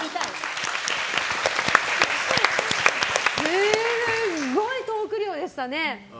すごいトーク量でしたね。